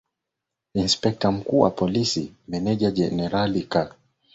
inspekta mkuu wa polisi menja generali kale kaihura